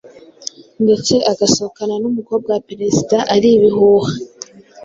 ndetse agasohokana n'umukobwa wa perezida ari ibihuha